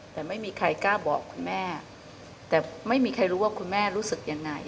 แต่ไม่มีใครกล้าบอกคุณแม่แต่ไม่มีใครรู้ว่าคุณแม่รู้สึกยังไง